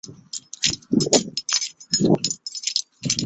阿格萨克。